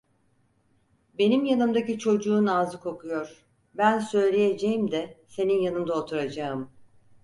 Benim yanımdaki çocuğun ağzı kokuyor, ben söyleyeceğim de senin yanında oturacağım…